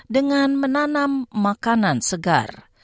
dengan menanam makanan segar